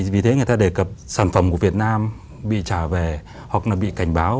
vì thế người ta đề cập sản phẩm của việt nam bị trả về hoặc là bị cảnh báo